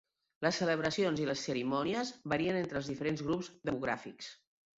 Les celebracions i les cerimònies varien entre els diferents grups demogràfics.